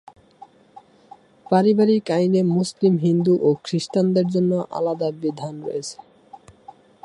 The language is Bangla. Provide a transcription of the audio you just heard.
পারিবারিক আইনে মুসলিম, হিন্দু ও খ্রিস্টানদের জন্য আলাদা বিধান রয়েছে।